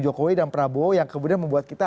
jokowi dan prabowo yang kemudian membuat kita